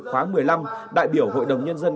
khóa một mươi năm đại biểu hội đồng nhân dân